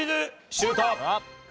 シュート！